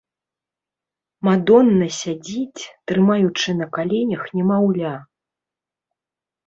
Мадонна сядзіць, трымаючы на каленах немаўля.